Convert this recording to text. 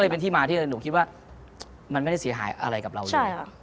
เป็นที่มาที่หนูคิดว่ามันไม่ได้เสียหายอะไรกับเราเลย